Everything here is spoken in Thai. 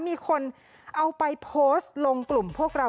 มีคนเอาไปโพสต์ลงกลุ่มพวกเรา